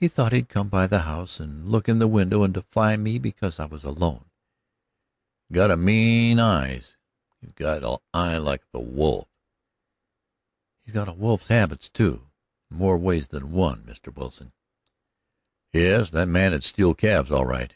"He thought he'd come by the house and look in the window and defy me because I was alone." "He's got a mean eye; he's got a eye like a wolf." "He's got a wolf's habits, too, in more ways than one, Mr. Wilson." "Yes, that man'd steal calves, all right."